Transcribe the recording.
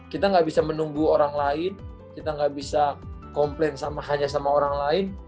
kita nggak bisa menunggu orang lain kita nggak bisa komplain hanya sama orang lain